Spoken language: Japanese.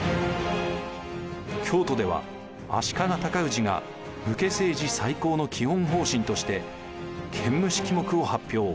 京都では足利尊氏が武家政治再興の基本方針として建武式目を発表。